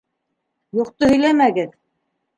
Юҡты һөйләмәгеҙ.